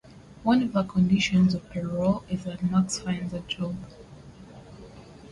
One of the conditions of parole is that Max finds a job.